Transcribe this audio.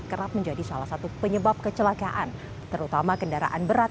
kerap menjadi salah satu penyebab kecelakaan terutama kendaraan berat